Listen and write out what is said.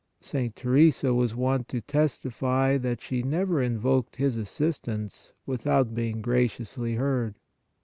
St. Teresa was wont to testify that she never invoked his assistance without being graciously heard.